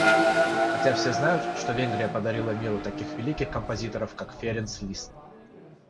хотя все знают, что Венгрия подарила миру таких великих композиторов как Ференц Лист